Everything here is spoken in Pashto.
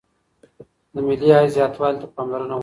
د ملي عايد زياتوالي ته پاملرنه وکړئ.